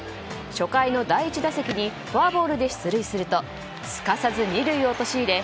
初回の第１打席にフォアボールで出塁するとすかさず２塁を陥れ